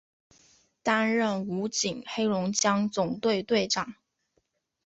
担任武警黑龙江总队队长。